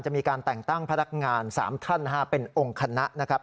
มีการแต่งตั้งพนักงาน๓ท่านเป็นองค์คณะนะครับ